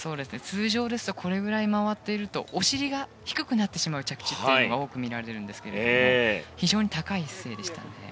通常ですとこれぐらい回っているとお尻が低くなってしまう着地が多く見られるんですが非常に高い姿勢でしたね。